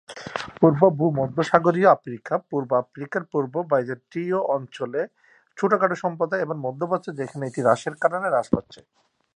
পূর্ব ভূমধ্যসাগরীয় আফ্রিকা, পূর্ব আফ্রিকার পূর্ব বাইজেন্টীয় অঞ্চলে ছোটখাট সম্প্রদায় এবং মধ্য প্রাচ্যে যেখানে এটি হ্রাসের কারণে হ্রাস পাচ্ছে।